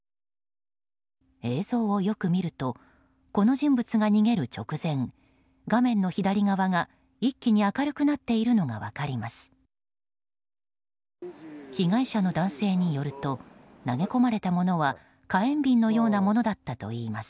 映像をよく見るとこの人物が逃げる直前画面の左側が一気に明るくなっているのが分かります。